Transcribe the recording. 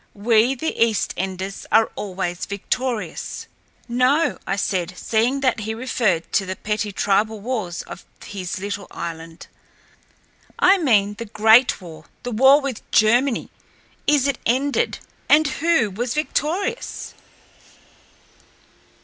We, the Eastenders, are always victorious." "No," I said, seeing that he referred to the petty tribal wars of his little island, "I mean the Great War, the war with Germany. Is it ended—and who was victorious?"